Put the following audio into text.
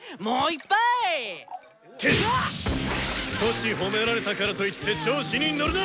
少し褒められたからといって調子に乗るな！